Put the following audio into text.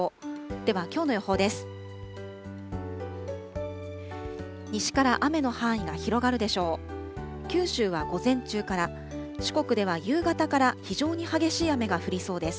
ではきょうの予報です。